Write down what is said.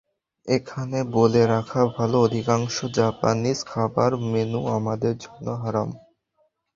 এখানে বলে রাখা ভালো, অধিকাংশ জাপানিজ খাবার মেন্যু আমাদের জন্য হারাম।